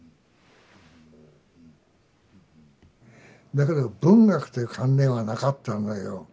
だけど文学という観念はなかったのよ。